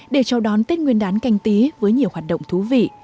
để chào đón tết nguyên đán canh tí với nhiều hoạt động thú vị